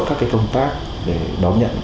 các công tác để đón nhận